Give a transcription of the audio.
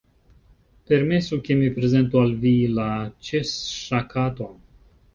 Permesu ke mi prezentu al vi la Ĉeŝŝa_ Katon."